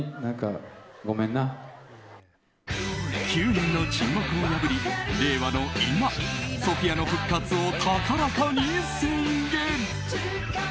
９年の沈黙を破り令和の今ＳＯＰＨＩＡの復活を高らかに宣言。